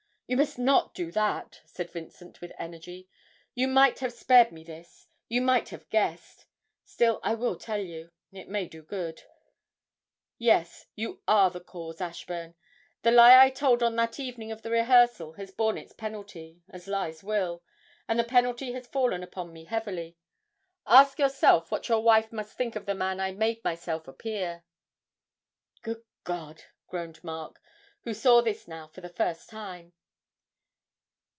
'You must not do that!' said Vincent, with energy; 'you might have spared me this you might have guessed. Still I will tell you it may do good. Yes, you are the cause, Ashburn; the lie I told on that evening of the rehearsal has borne its penalty, as lies will, and the penalty has fallen upon me heavily. Ask yourself what your wife must think of the man I made myself appear!' 'Good God!' groaned Mark, who saw this now for the first time.